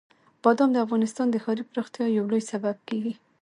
بادام د افغانستان د ښاري پراختیا یو لوی سبب کېږي.